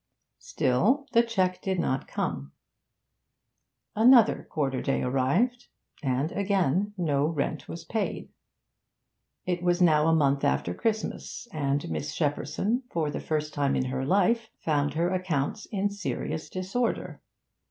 Still the cheque did not come; another quarter day arrived, and again no rent was paid. It was now a month after Christmas, and Miss Shepperson, for the first time in her life, found her accounts in serious disorder.